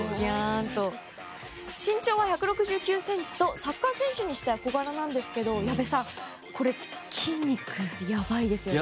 身長は１６９ｃｍとサッカー選手にしては小柄なんですけど矢部さん、筋肉やばいですよね？